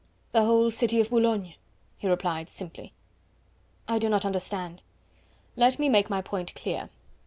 "The whole city of Boulogne," he replied simply. "I do not understand." "Let me make my point clear.